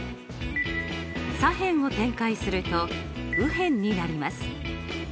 左辺を展開すると右辺になります。